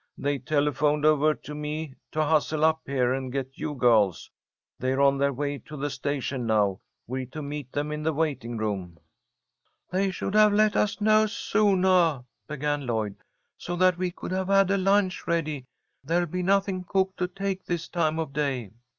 "They telephoned over to me to hustle up here and get you girls. They're on their way to the station now. We're to meet them in the waiting room." "They should have let us know soonah," began Lloyd, "so that we could have had a lunch ready. There'll be nothing cooked to take this time of day."